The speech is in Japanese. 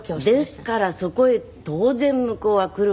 ですからそこへ当然向こうは来るわけですよ。